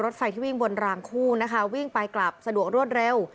ไฟที่วิ่งบนรางคู่นะคะวิ่งไปกลับสะดวกรวดเร็ว